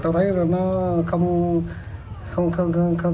tôi thấy nó không